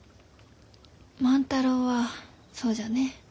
万太郎はそうじゃね。